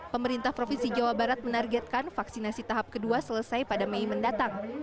pemerintah provinsi jawa barat menargetkan vaksinasi tahap kedua selesai pada mei mendatang